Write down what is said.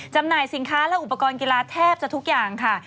จำหน่ายสินค้าและอุปกรณ์กีฬาแทบจะทุกอย่างค่ะ